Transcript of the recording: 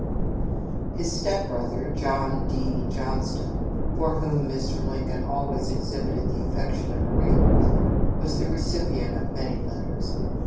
His step brother, John D. Johnston, for whom Mr. Lincoln always exhibited the affection of a real brother, was the recip ient of many letters.